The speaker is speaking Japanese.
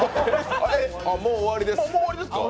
もう終わりですか？